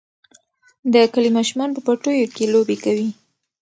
د کلي ماشومان په پټیو کې لوبې کوي.